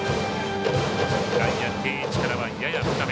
外野、定位置からやや深め。